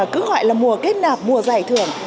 cứ gọi là mùa kết nạp mùa giải thưởng